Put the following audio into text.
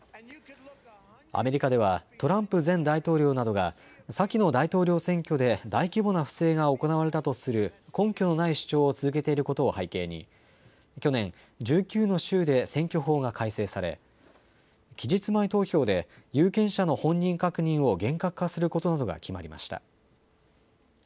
アメリカではトランプ前大統領などが、先の大統領選挙で大規模な不正が行われたとする根拠のない主張を続けていることを背景に、去年、１９の州で選挙法が改正され、期日前投票で有権者の本人確認を厳格化することなどが決まりました。